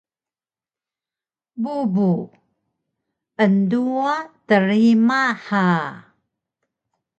Bubu: Enduwa trima ha!